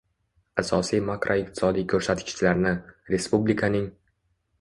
asosiy makroiqtisodiy ko`rsatkichlarni, respublikaning